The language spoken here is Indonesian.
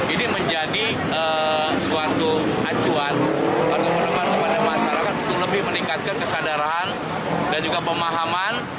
ini menjadi suatu acuan bagi masyarakat untuk lebih meningkatkan kesadaran dan juga pemahaman